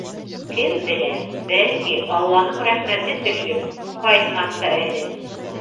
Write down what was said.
Кем белә, бәлки, алланың рәхмәте төшөп, ҡайтмаҫ та әле.